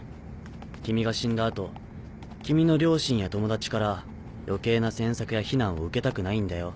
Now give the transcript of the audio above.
君が死んだ後君の両親や友達から余計な詮索や非難を受けたくないんだよ。